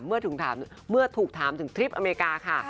เมื่อถูกถามถึงทริปอเมริกาค่ะ